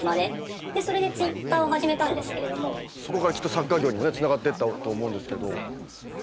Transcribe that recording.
そこからきっと作家業にもつながっていったと思うんですけど。